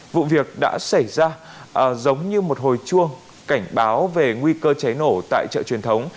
vụ việc đã xảy ra giống như một hồi chuông cảnh báo về nguy cơ cháy nổ tại chợ truyền thống